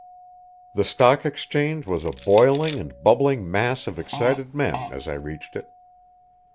The Stock Exchange was a boiling and bubbling mass of excited men as I reached it.